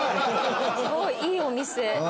すごい！いいお店。